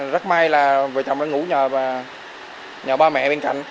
rất may là vợ chồng đã ngủ nhà ba mẹ bên cạnh